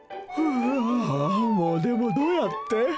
ふわぁもうでもどうやって？